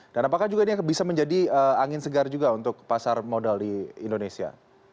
dan apakah juga ini bisa menjadi angin segar juga untuk pasar modal di indonesia